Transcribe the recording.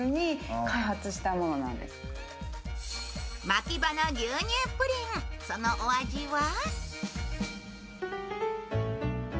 まきばの牛乳プリン、そのお味は？